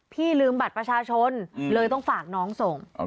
พี่ลืมบัตรประชาชนเลยต้องฝากน้องส่ง